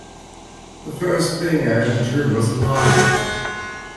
The first thing I ever drew was a lion.